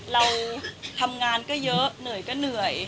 เราทำงานก็เยอะเหนื่อยก็เหนื่อย